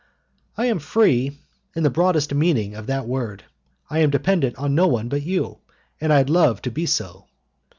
"I am free in the broadest meaning of that word, I am dependent on no one but you, and I love to be so."